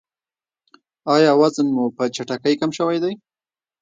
ایا وزن مو په چټکۍ کم شوی دی؟